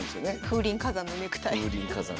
風林火山のネクタイ。